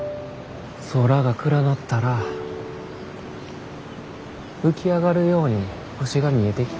空が暗なったら浮き上がるように星が見えてきてん。